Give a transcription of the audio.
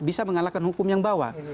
bisa mengalahkan hukum yang bawah